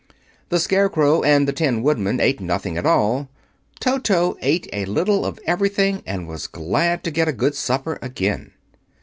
The Scarecrow and the Tin Woodman ate nothing at all. Toto ate a little of everything, and was glad to get a good supper again.